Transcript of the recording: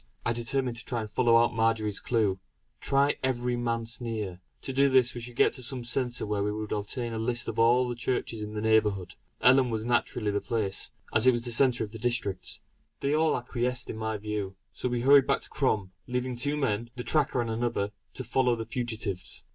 I determined to try to follow out Marjory's clue. "Try every Manse near." To do this we should get to some centre where we could obtain a list of all the churches in the neighbourhood. Ellon was naturally the place, as it was in the centre of the district. They all acquiesced in my view; so we hurried back to Crom, leaving two men, the tracker and another, to follow the fugitives.